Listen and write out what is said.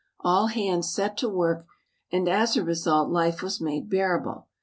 All hands set to work and as a result life was made bearable.